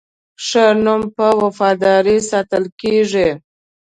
ښه نوم په وفادارۍ ساتل کېږي.